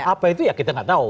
apa itu ya kita nggak tahu